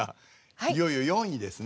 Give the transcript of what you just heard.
いよいよ４位ですね？